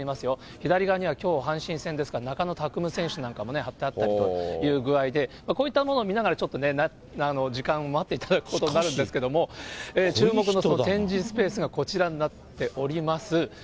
左側にはきょう、阪神戦ですから中野拓夢選手なんかもね、貼ってあったりとかという具合で、こういったものを見ながらちょっとね、時間を待っていただくことになるんですけども、注目の展示スペースがこちらになっております。